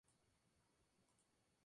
En esta localidad hay una vía ferrata.